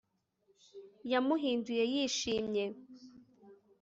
Yamuhinduye yishimye